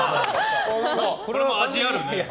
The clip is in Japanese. これも味あるね。